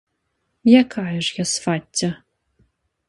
Якая ж я свацця?